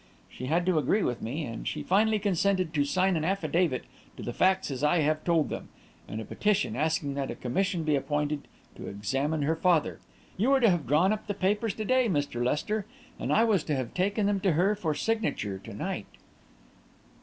She had to agree with me; and she finally consented to sign an affidavit to the facts as I have told them, and a petition asking that a commission be appointed to examine her father. You were to have drawn up the papers to day, Mr. Lester, and I was to have taken them to her for signature to night."